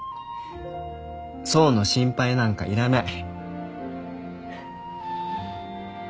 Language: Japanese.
想の心配なんかいらない。